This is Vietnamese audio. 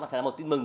thì là một tin mừng